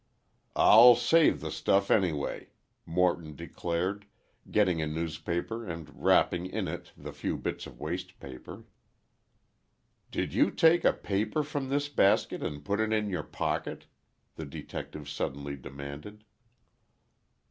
"I'll save the stuff, anyway," Morton declared, getting a newspaper and wrapping in it the few bits of waste paper. "Did you take a paper from this basket and put it in your pocket?" the detective suddenly demanded.